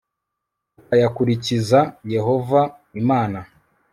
ukayakurikiza d Yehova Imana